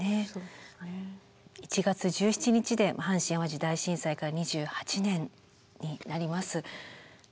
１月１７日で阪神・淡路大震災から２８年になります。